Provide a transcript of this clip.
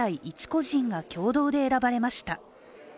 １個人が共同で選ばれました。